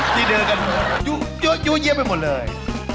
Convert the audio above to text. ที่เดินกันยังเยี่ยมไปหมดเลย